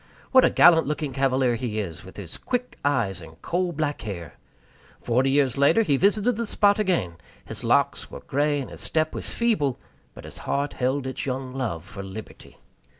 What a gallant looking cavalier he is, with his quick eyes and coal black hair! Forty years later he visited the spot again; his locks were gray and his step was feeble, but his heart held its young love for Liberty.